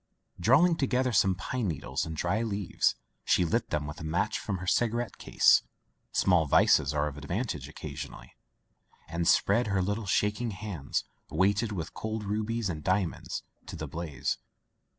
Drawing together some pine needles and dry leaves she lit them with a match from her cigarette case (small vices are of advantage occasionally) and spread her little shaking hands, weighted with cold rubies and di amonds, to the blaze.